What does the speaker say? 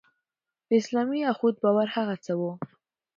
په اسلامي اخوت باور هغه څه وو.